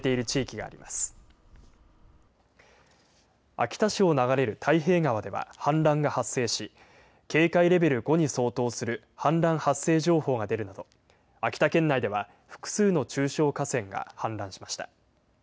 秋田市を流れる太平川では氾濫が発生し警戒レベル５に相当する氾濫発生情報が出るなど秋田県内では複数の中小河川が氾濫しました。